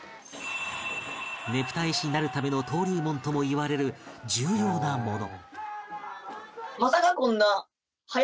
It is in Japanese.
ねぷた絵師になるための登竜門ともいわれる重要なもの